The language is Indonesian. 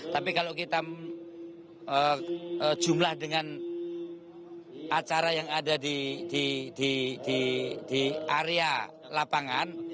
tapi kalau kita jumlah dengan acara yang ada di area lapangan